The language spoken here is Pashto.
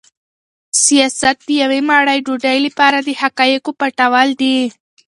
سیاست د یوې مړۍ ډوډۍ لپاره د حقایقو پټول دي.